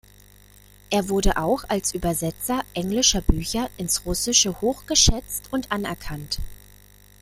Er wurde auch als Übersetzer englischer Bücher ins Russische hochgeschätzt und anerkannt.